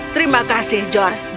terima kasih george